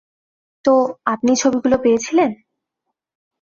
তো আপনি ছবিগুলো পেয়েছিলেন?